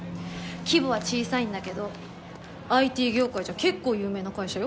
規模は小さいんだけどＩＴ業界じゃ結構有名な会社よ。